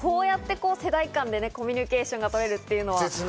世代間でコミュニケーションが取れるというのはね。